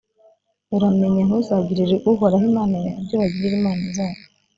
uramenye ntuzagirire uhoraho imana yawe ibyo bagirira imana zabo,